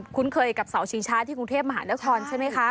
คุ้นเคยกับเสาชิงช้าที่กรุงเทพมหานครใช่ไหมคะ